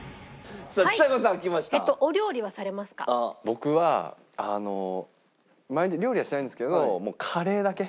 僕はあの料理はしてないんですけどカレーだけ。